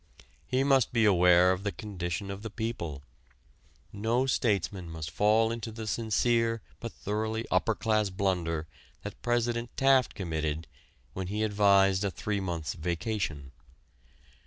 He must be aware of the condition of the people: no statesman must fall into the sincere but thoroughly upper class blunder that President Taft committed when he advised a three months' vacation.